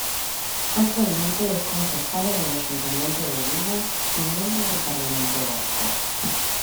Actualmente es Concejala del Ayuntamiento de Dima y miembro del Parlamento Vasco.